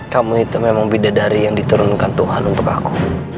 kamu itu memang beda dari yang diturunkan tuhan untuk aku